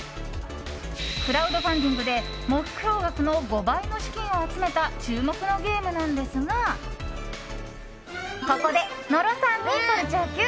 クラウドファンディングで目標額の５倍の資金を集めた注目のゲームなんですがここで野呂さんにカルチャーＱ。